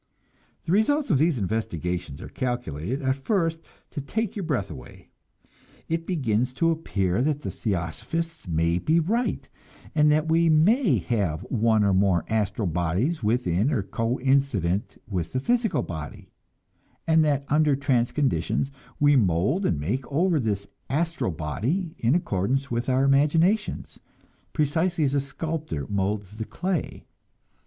The results of these investigations are calculated at first to take your breath away. It begins to appear that the theosophists may be right, and that we may have one or more "astral" bodies within or coincident with the physical body; and that under the trance conditions we mold and make over this "astral" body in accordance with our imaginations, precisely as a sculptor molds the clay.